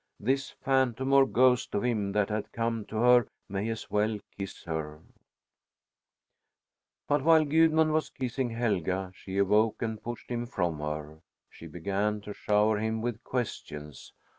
This phantom or ghost of him that had come to her may as well kiss her. But while Gudmund was kissing Helga, she awoke and pushed him from her. She began to shower him with questions.